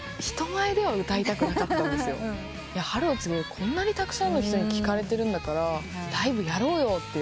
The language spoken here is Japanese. こんなにたくさんの人に聴かれてるんだからライブやろうよって言われて。